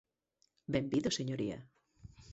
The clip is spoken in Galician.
Benvido, señoría.